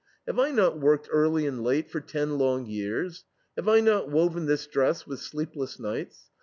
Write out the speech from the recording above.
Have I not worked early and late for ten long years? Have I not woven this dress with sleepless nights?